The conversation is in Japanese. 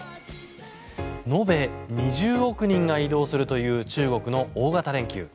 延べ２０億人が移動するという中国の大型連休。